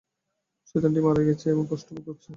শয়তানটি মারা গেছে এবং কষ্ট ভোগ করেছে।